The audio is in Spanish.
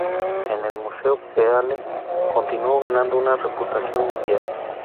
En el museo Peale continuó ganando una reputación mundial.